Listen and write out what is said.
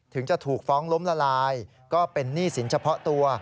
ถึงจะถูกฟ้องล้มละลายก็เป็นหนี้สินเฉพาะตัว